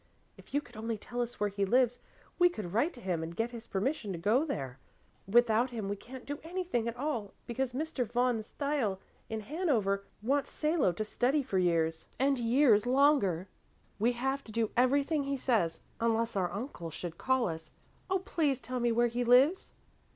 If you could only tell us where he lives, we could write to him and get his permission to go there. Without him we can't do anything at all, because Mr. von Stiele in Hanover wants Salo to study for years and years longer. We have to do everything he says, unless our uncle should call us. Oh, please tell me where he lives!"